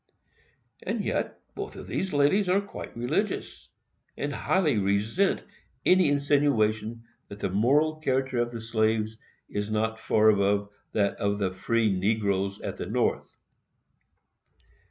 And yet, both of these ladies are quite religious, and highly resent any insinuation that the moral character of the slaves is not far above that of the free negroes at the North.